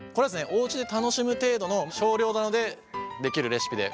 おうちで楽しむ程度の少量なのでできるレシピで。